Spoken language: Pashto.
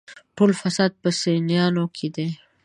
ټول فساد په سنيانو کې دی.